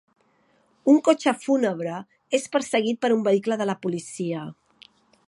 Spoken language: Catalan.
Un cotxe fúnebre és perseguit per un vehicle de la policia.